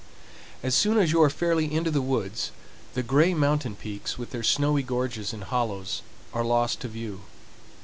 As soon as you are fairly into the woods, the gray mountain peaks, with their snowy gorges and hollows, are lost to view.